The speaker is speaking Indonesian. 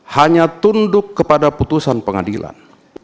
hanya tunduk kepada putusan pengadilan